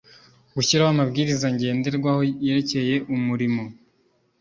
Gushyiraho amabwiriza ngenderwaho yerekeye umurimo